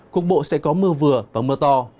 cục bộ sẽ có mưa vừa và mưa to